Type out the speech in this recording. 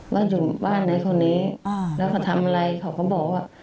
ว่าอยู่บ้านไหนคนนี้แล้วเขาทำอะไรเขาก็บอกว่า